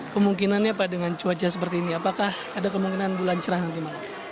kemungkinannya pak dengan cuaca seperti ini apakah ada kemungkinan bulan cerah nanti malam